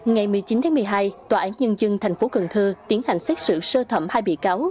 ngày một mươi chín tháng một mươi hai tòa án nhân dân tp cần thơ tiến hành xét xử sơ thẩm hai bị cáo